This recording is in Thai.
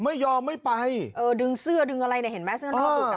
ไม่ยอมไม่ไปถ้าดึงเสื้ออะไรนี่เห็นมั้ย